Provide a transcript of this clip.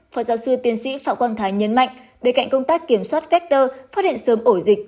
phó giáo sư tiến sĩ phạm quang thái nhấn mạnh bên cạnh công tác kiểm soát vector phát hiện sớm ổ dịch